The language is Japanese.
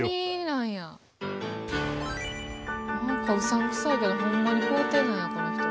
何かうさんくさいけどほんまに皇帝なんやこの人。